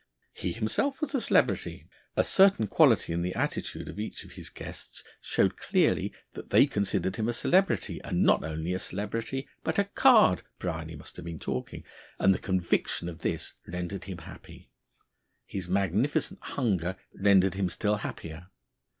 He himself was a celebrity. A certain quality in the attitude of each of his guests showed clearly that they considered him a celebrity, and not only a celebrity, but a card, Bryany must have been talking, and the conviction of this rendered him happy. His magnificent hunger rendered him still happier.